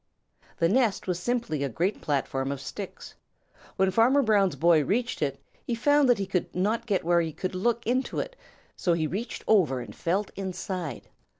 The nest was simply a great platform of sticks. When Farmer Brown's boy reached it, he found that he could not get where he could look into it, so he reached over and felt inside.